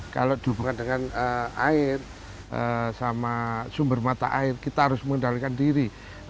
kalau dihubungkan dengan air sama sumber mata air kita harus mengendalikan diri